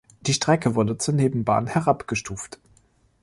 Die Strecke wurde zur Nebenbahn herabgestuft.